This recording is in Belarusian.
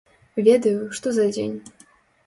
Ведаю, што за дзень.